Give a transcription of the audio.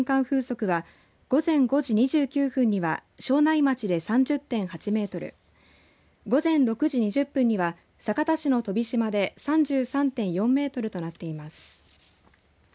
風速は午前５時２９分には庄内町で３０．８メートル午前６時２０分には酒田市の飛島で３３．４メートルとなっています。